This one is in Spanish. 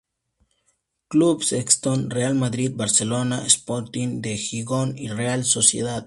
Clubes exentos: Real Madrid, Barcelona, Sporting de Gijón y Real Sociedad.